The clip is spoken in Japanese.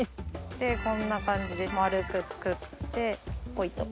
こんな感じで丸く作ってポイと。